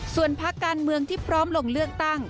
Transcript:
ส่วนพักการเมืองที่พร้อมลงเลือกตั้ง